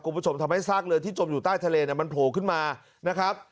คุณผู้ชมทำให้ซากเรือที่จมอยู่ใต้ทะเลเนี่ยมันโผล่ขึ้นมานะครับ